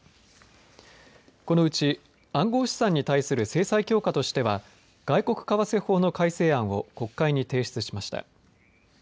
このうち、暗号資産に対する制裁強化としては外国為替法の改正案を国会に提出しました。